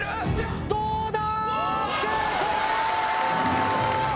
どうだ